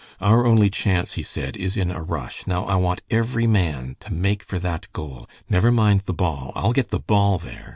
"Our only chance," he said, "is in a rush. Now, I want every man to make for that goal. Never mind the ball. I'll get the ball there.